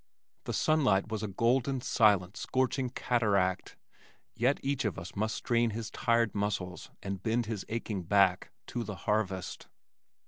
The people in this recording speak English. The sunlight was a golden, silent, scorching cataract yet each of us must strain his tired muscles and bend his aching back to the harvest.